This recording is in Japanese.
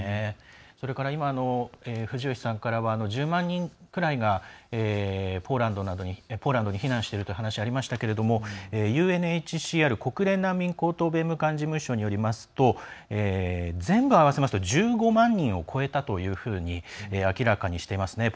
それから、藤吉さんからは１０万人ぐらいがポーランドに避難しているという話がありましたが国連難民管理事務所によりますと全部合わせますと１５万人を超えたというふうに明らかにしています。